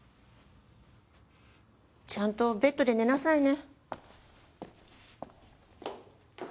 ちゃんとベッドで寝なさいね。